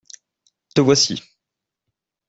Te voici.